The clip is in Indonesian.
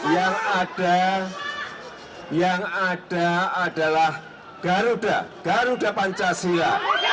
yang ada yang ada adalah garuda garuda pancasila